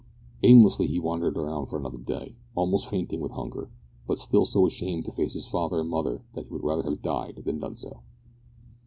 Aimlessly he wandered about for another day, almost fainting with hunger, but still so ashamed to face his father and mother that he would rather have died than done so.